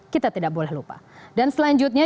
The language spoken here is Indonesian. kita tidak boleh lupa dan selanjutnya